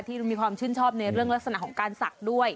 ที่มีความชื่นชอบในเรื่องลักษณะของการศักดิ์ด้วย